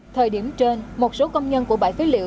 thời điểm trên một số công nhân của bãi phế liệu